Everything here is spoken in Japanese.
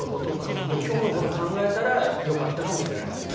今日のことを考えたらよかったかもしれないですね。